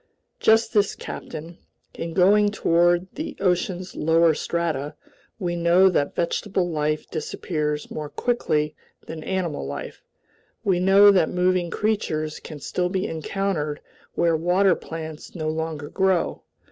"Just this, captain. In going toward the ocean's lower strata, we know that vegetable life disappears more quickly than animal life. We know that moving creatures can still be encountered where water plants no longer grow.